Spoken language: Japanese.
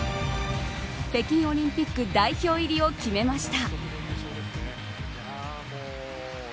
北京オリンピック代表入りを決めました。